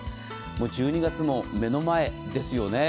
１２月も目の前ですよね。